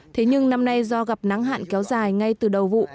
thế nhưng năm nay do gặp nắng hạn kéo dài ngay từ đầu vụ